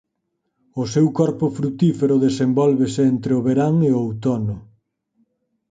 O seu corpo frutífero desenvólvese entre o verán e o outono.